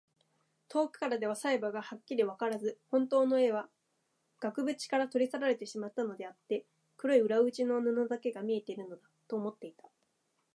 遠くからでは細部がはっきりわからず、ほんとうの絵は額ぶちから取り去られてしまったのであって、黒い裏打ちの布だけが見えているのだ、と思っていた。